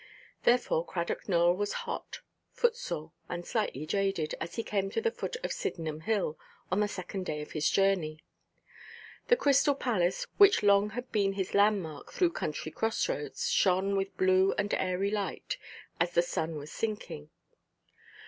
Therefore, Cradock Nowell was hot, footsore, and slightly jaded, as he came to the foot of Sydenham Hill, on the second day of his journey. The Crystal Palace, which long had been his landmark through country crossroads, shone with blue and airy light, as the sun was sinking.